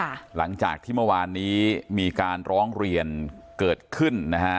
หลังจากที่เมื่อวานนี้มีการร้องเรียนเกิดขึ้นนะฮะ